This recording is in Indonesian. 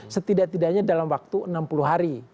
setidak tidaknya dalam waktu enam puluh hari